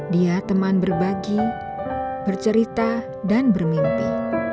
dia teman berbagi bercerita dan bermimpi